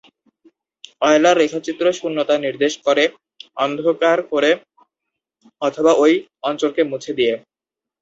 Euler রেখাচিত্র শূন্যতা নির্দেশ করে অন্ধকার করে অথবা ঐ অঞ্চলকে মুছে দিয়ে।